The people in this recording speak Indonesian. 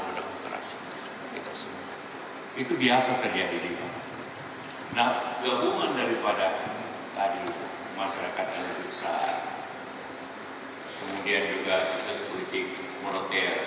pasti terjadi inflasi dari itu